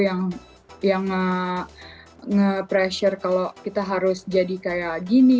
yang nge pressure kalau kita harus jadi kayak gini